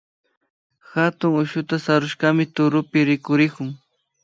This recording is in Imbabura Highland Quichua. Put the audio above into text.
Hatun ushuta sarushkami turupi rikurikun